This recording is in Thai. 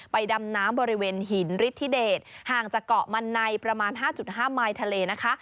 ดำน้ำบริเวณหินฤทธิเดชห่างจากเกาะมันในประมาณ๕๕มายทะเลนะคะ